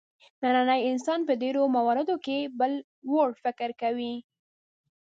نننی انسان په ډېرو موردونو کې بل وړ فکر کوي.